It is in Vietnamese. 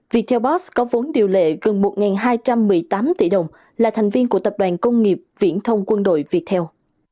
viettelbos có vốn điều lệ gần một hai trăm một mươi tám tỷ đồng là thành viên của tập đoàn công nghiệp viễn thông quân đội viettel